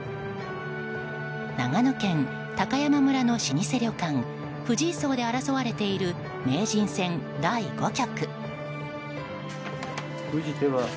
長野県高山村の老舗旅館藤井荘で争われている名人戦第５局。